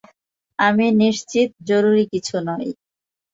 আমি নিশ্চিত জরুরি কিছু নয়।